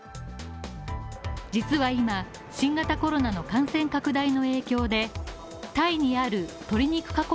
実は今、新型コロナの感染拡大の影響でタイにある鶏肉加工